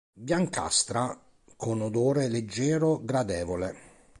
Biancastra, con odore leggero, gradevole.